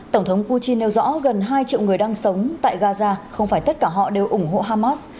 tổng thống putin nêu rõ gần hai triệu người đang sống tại gaza không phải tất cả họ đều ủng hộ hamas